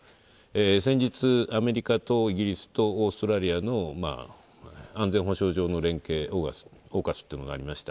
先日、アメリカとイギリスとオーストラリアの安全保障上の連携、ＡＵＫＵＳっていうのがありました。